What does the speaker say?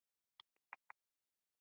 د واک ناوړه کارول د قانون خلاف دي.